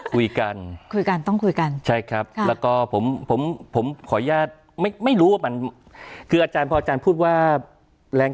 คุยกันคุยกันต้องคุยกันใช่ครับแล้วก็ผมผมขออนุญาตไม่รู้ว่ามันคืออาจารย์พออาจารย์พูดว่าแรง